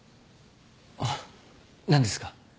あっ何ですか？